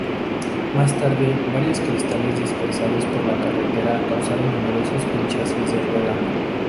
Más tarde, varios cristales dispersados por la carretera causaron numerosos pinchazos de rueda.